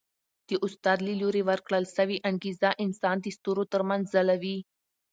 د استاد له لوري ورکړل سوی انګېزه انسان د ستورو تر منځ ځلوي.